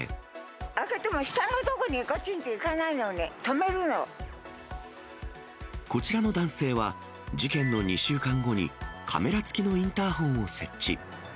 開けても下の所にがちんといこちらの男性は、事件の２週間後に、カメラ付きのインターホンを設置。